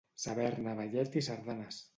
Saber-ne ballet i sardanes.